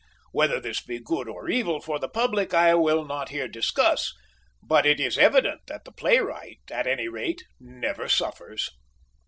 Whether this be good or evil for the public I will not here discuss, but it is evident that the playwright, at any rate, never suffers.